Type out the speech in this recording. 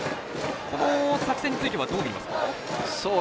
この作戦についてはどう見ますか。